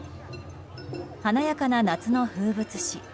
華やかな夏の風物詩。